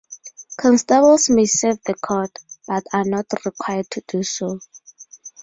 Constables may serve the court, but are not required to do so.